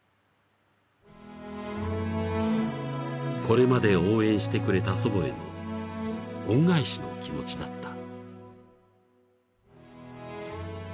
［これまで応援してくれた祖母への恩返しの気持ちだった］